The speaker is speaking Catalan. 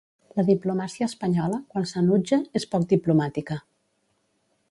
La diplomàcia espanyola, quan s’enutja, és poc diplomàtica.